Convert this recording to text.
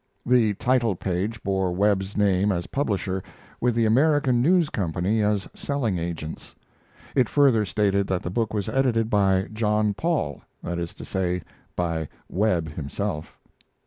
The title page bore Webb's name as publisher, with the American News Company as selling agents. It further stated that the book was edited by "John Paul," that is to say by Webb himself.